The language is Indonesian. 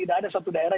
tidak ada satu daerah